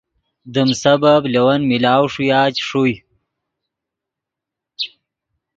دیم سبب لے ون ملاؤ ݰویا چے ݰوئے